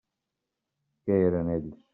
Què eren ells?